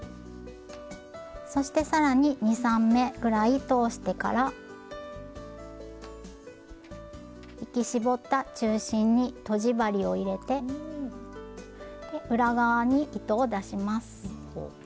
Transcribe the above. そして更に２３目ぐらい通してから引き絞った中心にとじ針を入れて裏側に糸を出します。